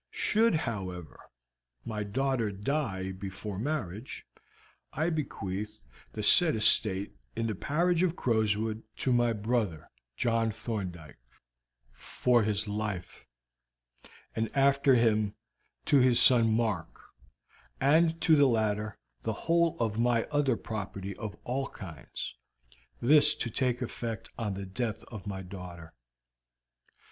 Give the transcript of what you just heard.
Should, however, my daughter die before marriage, I bequeath the said estate in the parish of Crowswood to my brother, John Thorndyke, for his life, and after him to his son Mark, and to the latter the whole of my other property of all kinds, this to take effect on the death of my daughter.